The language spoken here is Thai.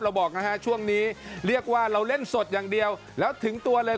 บอกนะฮะช่วงนี้เรียกว่าเราเล่นสดอย่างเดียวแล้วถึงตัวเลย